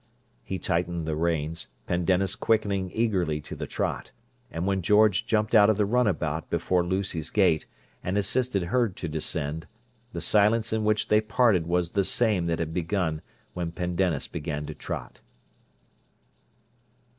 He tightened the reins, Pendennis quickening eagerly to the trot; and when George jumped out of the runabout before Lucy's gate, and assisted her to descend, the silence in which they parted was the same that had begun when Pendennis began to trot.